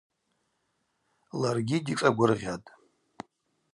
Ларгьи дишӏагвыргъьатӏ.